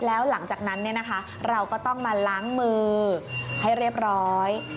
แล้วหลังจากนั้นเราก็ต้องมาล้างมือให้เรียบร้อย